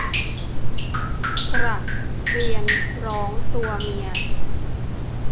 กระเรียนร้องตัวเมีย